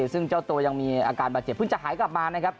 ซึ่งเจ้าตัวยังมีอาการบาดเจ็บเพิ่งจะหายกลับมานะครับ